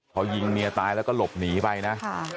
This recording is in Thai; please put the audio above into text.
พอยิงเมียตายแล้วก็หลบหนีไปนะ